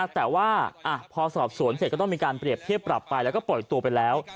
แต่ว่าพอสอบสวนเสร็จก็ต้องมีการเปรียบเทียบปรับไปแล้วก็ปล่อยตัวไปแล้ว